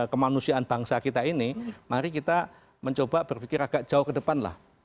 kemanusiaan bangsa kita ini mari kita mencoba berpikir agak jauh ke depan lah